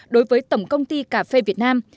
đối với tổng công ty cà phê việt nam